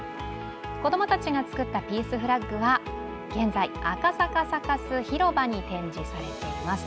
子供たちが作ったピースフラッグは現在、赤坂サカス広場に展示されています。